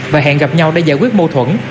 và hẹn gặp nhau để giải quyết mâu thuẫn